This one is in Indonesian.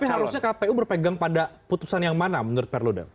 tapi seharusnya kpu berpegang pada putusan yang mana menurut pak perlodang